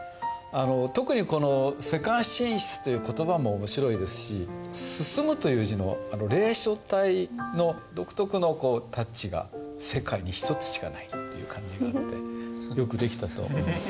特に「世界進出」という言葉も面白いですし「進む」という字の隷書体の独特のタッチが世界に一つしかないっていう感じがあってよく出来たと思います。